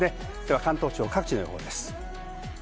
関東地方の各地の予報です。